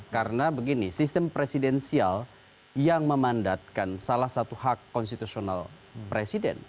karena begini sistem presidensial yang memandatkan salah satu hak konstitusional presiden